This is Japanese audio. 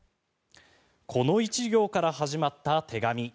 この１行から始まった手紙。